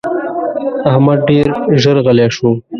احمد ډېر ژر غلی شو.